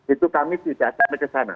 itu kami tidak sampai ke sana